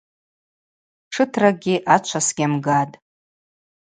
Тшытракӏгьи ачва сгьамгатӏ.